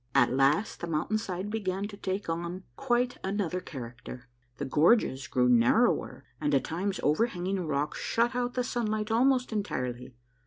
At last the mountain side began to take on quite another character. The gorges grew narrower, and at times overhanging rocks shut out the sunlight almost entirely.